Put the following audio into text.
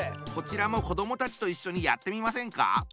こちらも子どもたちと一緒にやってみませんか？